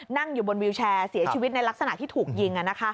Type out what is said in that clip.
นั่งอยู่บนวิวแชร์เสียชีวิตในลักษณะที่ถูกยิง